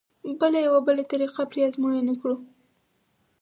به لا یوه بله طریقه پرې ازموینه کړو.